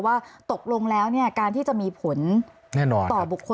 ว่าตกลงแล้วการที่จะมีผลแน่นอนต่อบุคคล